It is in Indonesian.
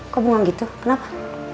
kok buang gitu kenapa